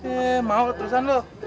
eh maaf ke terusan lo